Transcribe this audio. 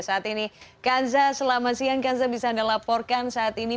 saat ini kanza selama siang kanza bisa anda laporkan saat ini